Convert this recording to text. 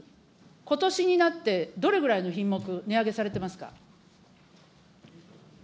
ことしになって、どれぐらいの品目、値上げされてますか。